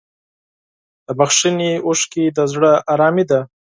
د بښنې اوښکې د زړه ارامي ده.